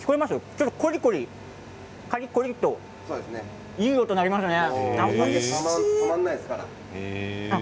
ちょっとコリコリ、カリコリといい音が鳴りますね。